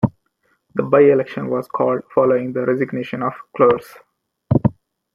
The by-election was called following the resignation of Cllrs.